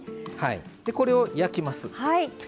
これを焼きます。